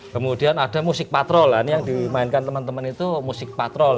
kemudian ada musik patrol kan yang dimainkan teman teman itu musik patrol